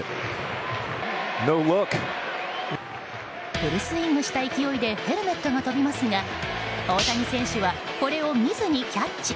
フルスイングした勢いでヘルメットが飛びますが大谷選手はこれを見ずにキャッチ。